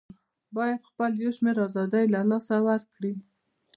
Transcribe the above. بايد خپل يو شمېر آزادۍ د لاسه ورکړي